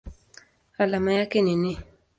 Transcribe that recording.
Alama yake ni Ni.